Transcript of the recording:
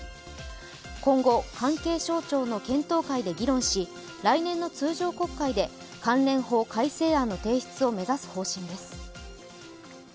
今後、関係省庁の検討会で議論し来年の通常国会で関連法改正案の提出を目指す方針です。